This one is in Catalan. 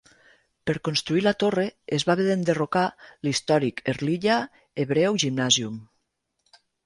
Per construir la torre, es va haver d'enderrocar l'històric Herzliya Hebrew Gymnasium.